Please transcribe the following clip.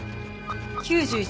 ９１